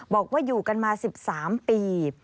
บอกว่าอยู่กันมา๑๓ปี